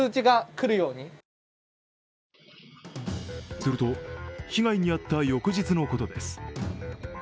すると被害に遭った翌日のことです。